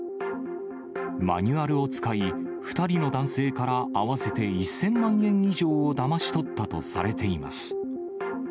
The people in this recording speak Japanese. マニュアルを使い、２人の男性から合わせて１０００万円以上をだまし取ったとされています。